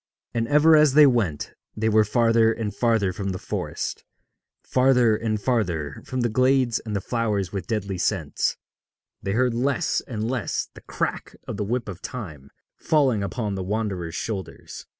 And ever as they went they were farther and farther from the forest, farther and farther from the glades and the flowers with deadly scents; they heard less and less the crack of the whip of Time falling upon the wanderers' shoulders.